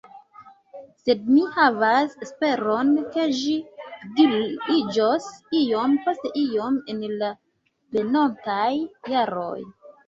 Sed mi havas esperon, ke ĝi vigliĝos iom post iom en la venontaj jaroj.